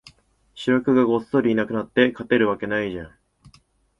主力がごっそりいなくなって、勝てるわけないじゃん